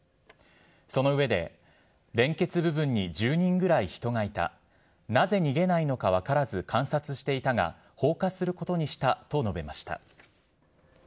その上で、連結部分に１０人ぐらい人がいた、なぜ逃げないのか分からず観察していたが、放火することにしたと述べました。